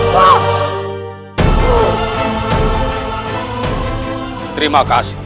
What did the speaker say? hai terima kasih